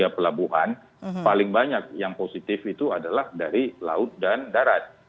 tiga pelabuhan paling banyak yang positif itu adalah dari laut dan darat